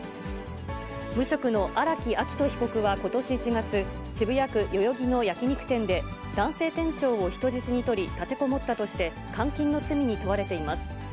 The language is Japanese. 無職の荒木秋冬被告はことし１月、渋谷区代々木の焼き肉店で、男性店長を人質に取り立てこもったとして、監禁の罪に問われています。